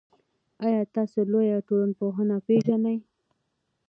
آیا تاسو لویه ټولنپوهنه پېژنئ؟